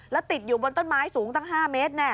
แล้วติดอยู่บนต้นไม้สูงตั้ง๕เมตรแน่